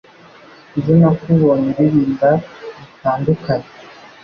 Ejo nakubonye uririmba bitandukanye